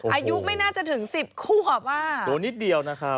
อายุไม่น่าจะถึงสิบควบอ่ะตัวนิดเดียวนะครับ